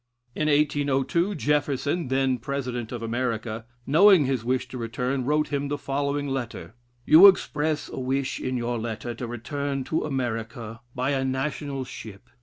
In 1802, Jefferson, then President of America, knowing his wish to return, wrote him the following letter: "You express a wish in your letter to return to America by a national ship.